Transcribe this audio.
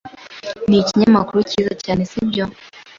Ni ikinyamakuru cyiza cyane, sibyo?